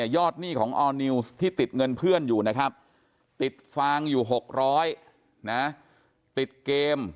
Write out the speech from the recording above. หนี้ของออร์นิวส์ที่ติดเงินเพื่อนอยู่นะครับติดฟางอยู่๖๐๐นะติดเกม